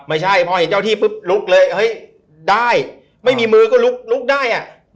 ไม่ใช่พอเห็นเจ้าที่ปุ๊บลุกเลยได้ไม่มีมือก็ลุกได้